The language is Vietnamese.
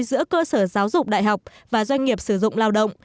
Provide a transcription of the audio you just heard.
giữa cơ sở giáo dục đại học và doanh nghiệp sử dụng lao động